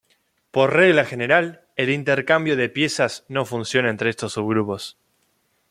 Por regla general, el intercambio de piezas no funciona entre estos subgrupos.